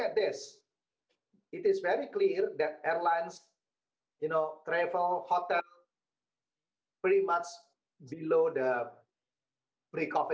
apa situasi terakhir apa pendapat anda dan sebagainya